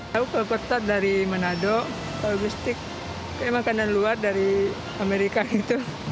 kalau klaper tart dari manado kalau bistik kayaknya makanan luar dari amerika gitu